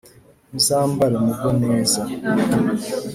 muzambare mugwe neza